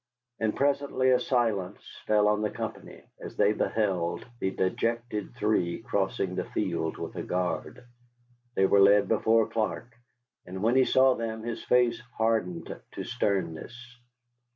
And presently a silence fell on the company as they beheld the dejected three crossing the field with a guard. They were led before Clark, and when he saw them his face hardened to sternness.